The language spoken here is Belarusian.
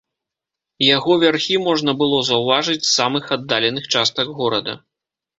Яго вярхі можна было заўважыць з самых аддаленых частак горада.